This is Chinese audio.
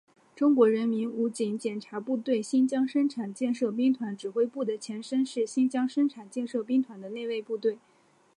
中国人民武装警察部队新疆生产建设兵团指挥部的前身是新疆生产建设兵团的内卫部队。